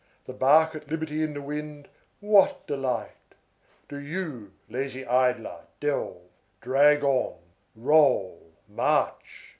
The bark at liberty in the wind, what delight! Do you, lazy idler, delve, drag on, roll, march!